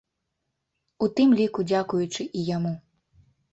У тым ліку дзякуючы і яму.